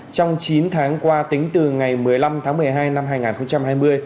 trong chín tháng qua tính từ ngày một mươi năm tháng một mươi hai năm hai nghìn hai mươi